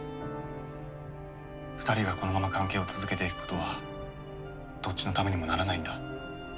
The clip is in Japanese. ２人がこのまま関係を続けていくことはどっちのためにもならないんだ。